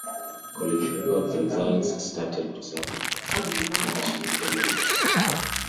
Colin Edwards results started to suffer after a crash in Germany.